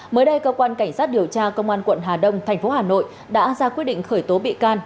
mới đây cơ quan cảnh sát điều tra công an quận hà đông tp hà nội đã ra quyết định khởi tố bị can